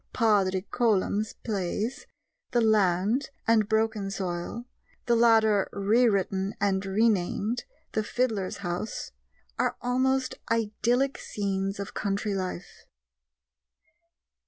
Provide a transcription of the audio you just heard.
Padraic Colum's plays The Land and Broken Soil (the latter rewritten and renamed The Fiddler's House) are almost idyllic scenes of country life.